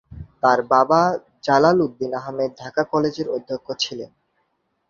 তার বাবা জালাল উদ্দিন আহমেদ ঢাকা কলেজের অধ্যক্ষ ছিলেন।